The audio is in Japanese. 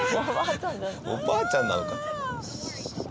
おばあちゃんなのか？